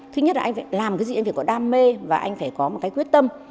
thứ nhất là anh phải làm cái gì anh phải có đam mê và anh phải có một cái quyết tâm